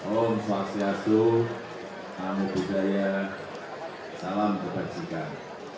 om swastiastu amu budaya salam kebajikan